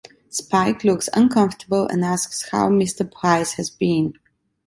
Spike looks uncomfortable and asks how Mr. Pryce has been.